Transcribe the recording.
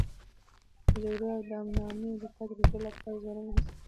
د جګړو او ناامنیو د پای ته رسولو لپاره ځوانان هڅې کوي.